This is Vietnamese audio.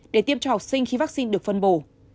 để tiêm cho học sinh khi vaccine được phân bổ